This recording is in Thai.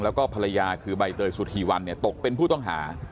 แล้วก็ภรรยาคือใบเตยสุธีวันเนี่ยตกเป็นผู้ต้องหา